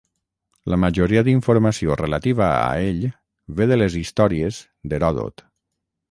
La majoria d'informació relativa a ell ve de "Les històries", d'Heròdot.